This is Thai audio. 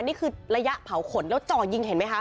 นี่คือระยะเผาขนแล้วจ่อยิงเห็นไหมคะ